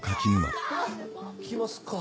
行きますか。